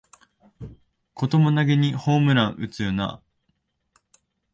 こともなげにホームラン打つよなあ